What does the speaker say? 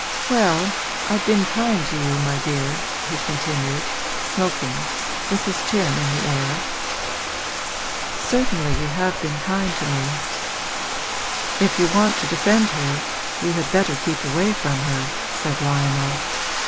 'Well, I've been kind to you, my dear,' he continued, smoking, with his chin in the air. 'Certainly you have been kind to me.' 'If you want to defend her you had better keep away from her,' said Lionel.